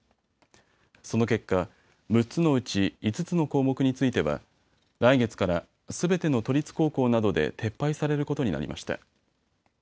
その結果、３つのうち５つの項目については来月からすべての都立高校などで撤廃されることになりました。